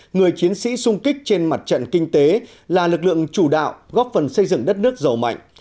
người chiến sĩ sung kích trên mặt trận kinh tế là lực lượng chủ đạo góp phần xây dựng đất nước giàu mạnh